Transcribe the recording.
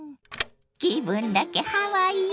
気分だけハワイよ。